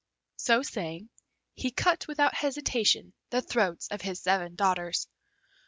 So saying, he cut without hesitation the throats of his seven daughters.